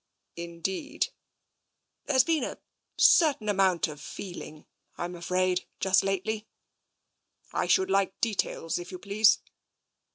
"Indeed?" " There's been a certain amount of feeling, I'm afraid, just lately." I should like details, if you please."